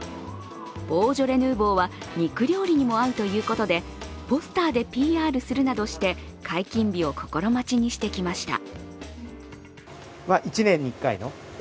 ボージョレ・ヌーボーは肉料理にも合うということで、ポスターでＰＲするなどして解禁日を心待ちにしてきました。